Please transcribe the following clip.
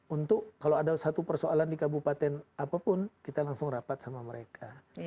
untuk kalau ada satu persoalan di kabupaten apapun kita langsung rapat sama mereka